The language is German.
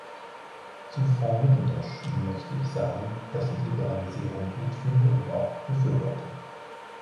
Zu Frau McIntosh möchte ich sagen, dass ich Liberalisierung gut finde und auch befürworte.